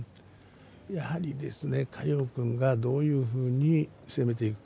やはり嘉陽君がどういうふうに攻めていくか。